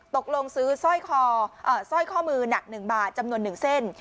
ตกลงซื้อสร้อยคอสร้อยข้อมือหนัก๑บาทจำนวน๑เส้น